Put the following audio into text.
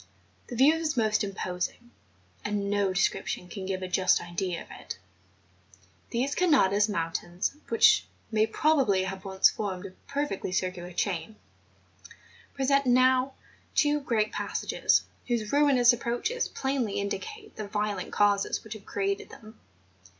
This view is most imposing; and no de¬ scription can give a just idea of it. These Canadas mountains which may probably have once formed a perfectly circular chain, present now two great passages whose ruinous approaches plainly indicate the violent causes which have created them.